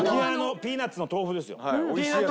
ピーナッツ豆腐ですよ。